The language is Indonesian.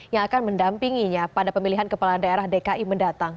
yang akan mendampinginya pada pemilihan kepala daerah dki mendatang